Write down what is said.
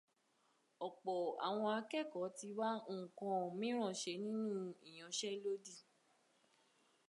Ọ̀pọ àwọn akékọ̀ọ́ ti wá nnkan mìíràn ṣe nínú ìyanṣélódì.